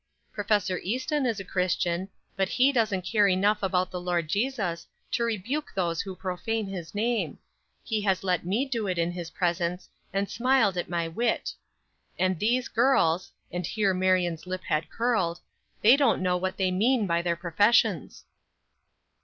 Prof. Easton is a Christian, but he doesn't care enough about the Lord Jesus to rebuke those who profane his name; he has let me do it in his presence, and smiled at my wit. And these girls" (and here Marion's lip had curled), "they don't know what they mean by their professions."